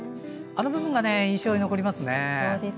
あの部分が印象に残りますね。